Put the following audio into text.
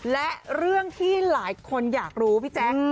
และเรื่องที่หลายคนอยากรู้พี่แจ๊ค